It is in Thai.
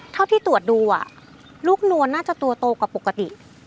เท่าที่ตรวจดูลูกนวลน่าจะตัวโตกว่าปกติ